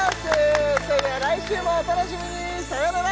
それでは来週もお楽しみにさようなら